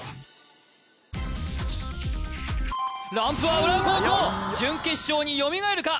ランプは浦和高校準決勝によみがえるか？